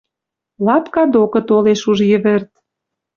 Лапка докы толеш уж йӹвӹрт...